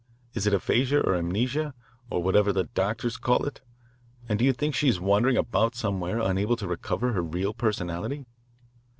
Is it aphasia or amnesia, or whatever the doctors call it, and do you think she is wandering about somewhere unable to recover her real personality?"